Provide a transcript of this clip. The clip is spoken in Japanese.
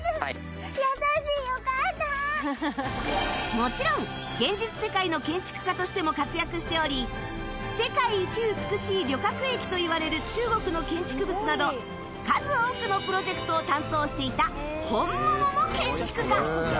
もちろん現実世界の建築家としても活躍しており世界一美しい旅客駅といわれる中国の建築物など数多くのプロジェクトを担当していた本物の建築家